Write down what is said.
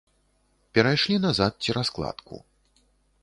Перайшлі назад цераз кладку.